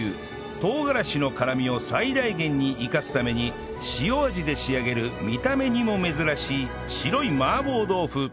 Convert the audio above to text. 唐辛子の辛みを最大限に生かすために塩味で仕上げる見た目にも珍しい白い麻婆豆腐